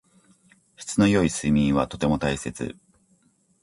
質の良い睡眠はとても大切。